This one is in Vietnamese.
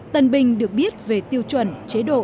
tân binh được biết về tiêu chuẩn chế độ